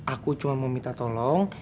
aku cuma mau minta tolong